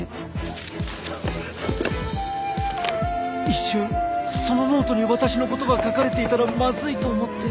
一瞬そのノートに私の事が書かれていたらまずいと思って。